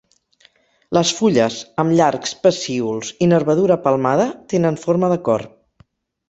Les fulles amb llargs pecíols i nervadura palmada tenen forma de cor.